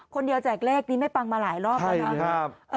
คนเดียวแจกเล็กนี่ไม่ปังมาหลายรอบแล้วนะครับ